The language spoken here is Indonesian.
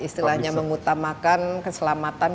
istilahnya mengutamakan keselamatan